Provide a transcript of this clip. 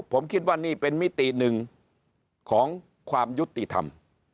ผมคิดว่านี่เป็นมิติหนึ่งของความยุติธรรม